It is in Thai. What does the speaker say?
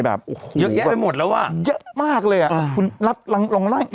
แบบโอ้โหเยอะแยะไปหมดแล้วอ่ะเยอะมากเลยอ่ะคุณนัดลองไล่